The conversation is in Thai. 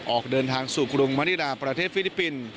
ออกเดินทางสู่กรุงมณิดาประเทศฟิลิปปินส์